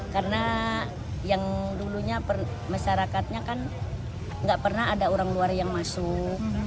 karena yang dulunya masyarakatnya kan gak pernah ada orang luar yang masuk